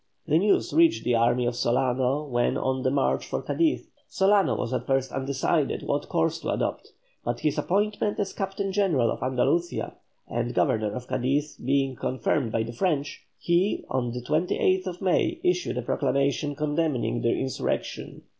The news reached the army of Solano when on the march for Cadiz. Solano was at first undecided what course to adopt, but his appointment as Captain General of Andalucia and Governor of Cadiz being confirmed by the French, he on the 28th May issued a proclamation condemning the insurrection.